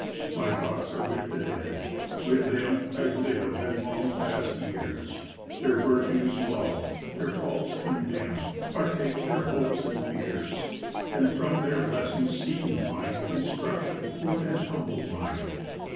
My thoughts are with the Dead, with them I live in long past years, Their virtues love, their faults condemn, Partake their hopes and fears, And from their lessons seek and find Instruction with ^n humble mind.